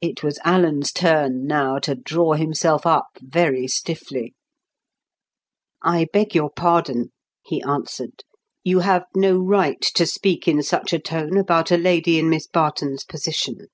It was Alan's turn now to draw himself up very stiffly. "I beg your pardon," he answered; "you have no right to speak in such a tone about a lady in Miss Barton's position.